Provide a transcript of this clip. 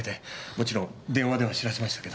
もちろん電話では知らせましたけど。